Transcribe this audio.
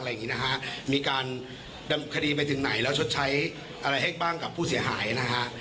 อย่างงี้นะฮะมีการดำเนินคดีไปถึงไหนแล้วชดใช้อะไรให้บ้างกับผู้เสียหายนะฮะ